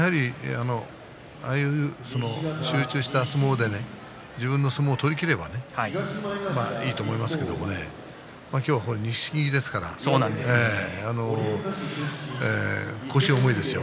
ああいう集中した相撲で自分の相撲を取りきればいいと思いますけれども今日は錦木ですから腰が重いですよ。